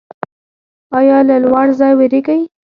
ایا له لوړ ځای ویریږئ؟